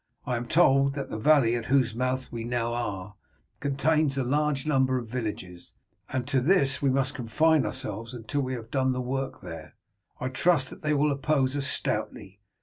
I am told that the valley at whose mouth we now are contains a large number of villages, and to this we must confine ourselves until we have done the work there. I trust that they will oppose us stoutly.